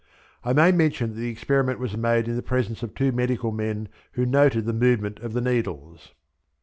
I may mention that the experiment was made in the presence of two medical men who noted the movement of the needles.